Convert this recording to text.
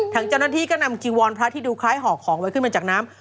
ทางเจ้าหน้าที่ก็นำจีวรพระที่ดูคล้ายห่อของไว้ขึ้นมาจากน้ำ